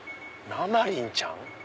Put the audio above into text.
なまりんちゃん？